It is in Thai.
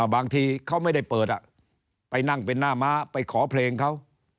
บางทีเขาไม่ได้เปิดไปนั่งเป็นหน้าม้าไปขอเพลงเขา